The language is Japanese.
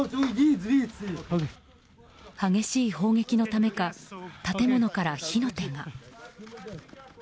激しい砲撃のためか建物から火の手が。